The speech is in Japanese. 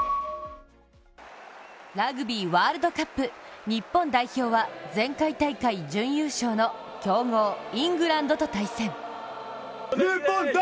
ラグビーワールドカップ日本代表は前回大会準優勝の強豪イングランドと対戦。